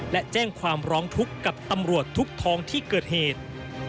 และแจ้งความร้องทุกข์กับตำรวจทุกท้องที่เกิดเหตุ